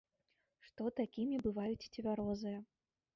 Што такімі бываюць цвярозыя.